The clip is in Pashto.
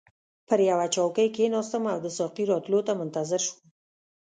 پر یوه چوکۍ کښیناستم او د ساقي راتلو ته منتظر شوم.